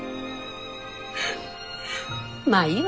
まあいいわ。